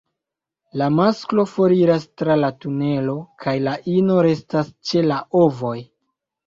La masklo foriras tra la tunelo, kaj la ino restas ĉe la ovoj.